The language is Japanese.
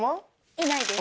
いないです。